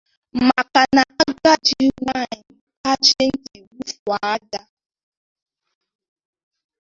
maka na agadi nwaanyị kachie ntị wụfèé aja